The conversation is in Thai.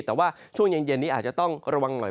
แต่ว่าช่วงเย็นนี้อาจจะต้องระวังหน่อย